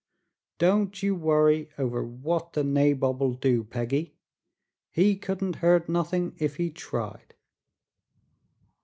Don't you worry over what the nabob'll do, Peggy; he couldn't hurt nuthin' if he tried."